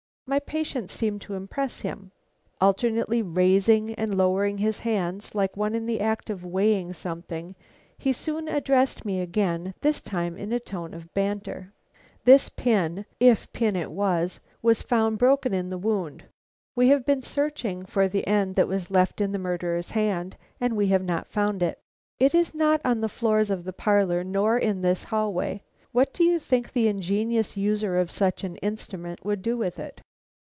My patience seemed to impress him. Alternately raising and lowering his hands like one in the act of weighing something, he soon addressed me again, this time in a tone of banter: "This pin if pin it was was found broken in the wound. We have been searching for the end that was left in the murderer's hand, and we have not found it. It is not on the floors of the parlors nor in this hallway. What do you think the ingenious user of such an instrument would do with it?"